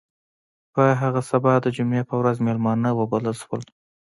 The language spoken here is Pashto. په هغه سبا د جمعې په ورځ میلمانه وبلل شول.